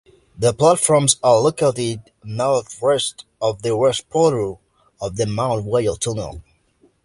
The platforms are located northwest of the west portal of the Mount Royal Tunnel.